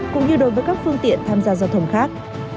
cũng như đối với các phương tiện tham gia giao thông khác